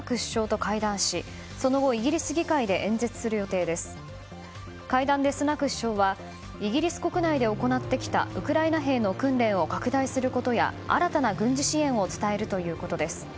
会談でスナク首相はイギリス国内で行ってきたウクライナ兵の訓練を拡大することや新たな軍事支援を伝えるということです。